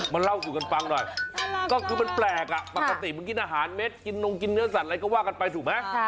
เล่าสู่กันฟังหน่อยก็คือมันแปลกปกติมันกินอาหารเม็ดกินนมกินเนื้อสัตว์อะไรก็ว่ากันไปถูกไหม